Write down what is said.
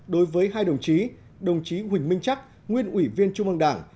đối với hai đồng chí đồng chí huỳnh minh chắc nguyên ủy viên trung ương đảng